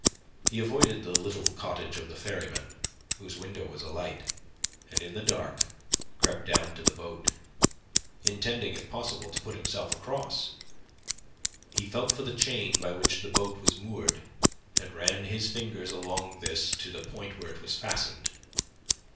He avoided the little cottage of the ferryman, whose window was alight, and in the dark crept down to the boat, intending if possible to put himself across. He felt for the chain by which the boat was moored, and ran his fingers along this to the point where it was fastened.